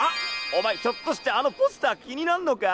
お前ひょっとしてあのポスター気になンのか？